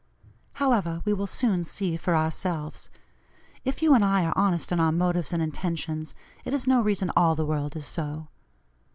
However, we will soon see for ourselves. If you and I are honest in our motives and intentions, it is no reason all the world is so.